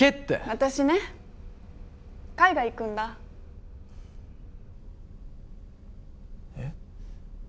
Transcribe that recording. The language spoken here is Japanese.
私ね海外行くんだ。え？